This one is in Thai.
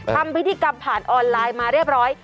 ทำพิธีกรรมผ่านออนไลน์มาเรียบร้อย